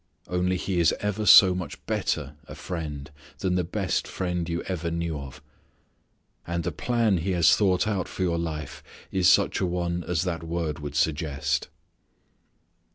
Only He is ever so much better a friend than the best friend you ever knew of. And the plan He has thought out for your life is such a one as that word would suggest.